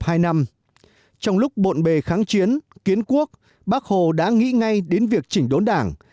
trong lúc bộn bề kháng chiến kiến quốc bác hồ đã nghĩ ngay đến việc chỉnh đốn đảng